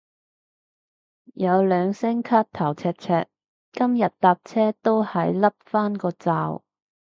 有兩聲咳頭赤赤，今日搭車都係笠返個罩